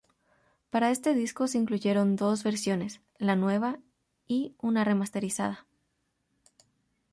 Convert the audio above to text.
Para este disco, se incluyeron dos versiones: la nueva y una remasterizada.